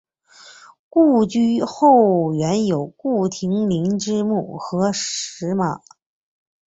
故居后园有顾亭林之墓和石马。